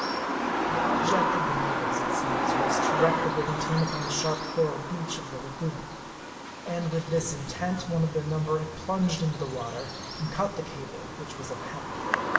The object of the natives, it seems, was to wreck the brigantine upon the sharp coral beach of the lagoon. And with this intent, one of their number had plunged into the water, and cut the cable, which was of hemp.